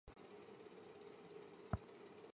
目前庄河市尚有实德牌公交车。